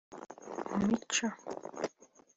mu mico